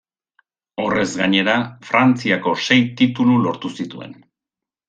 Horrez gainera, Frantziako sei titulu lortu zituen.